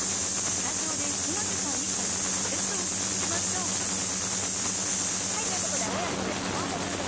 スタジオで菅瀬さん一家に直接お聞きしましょう。ということで親子でスマホル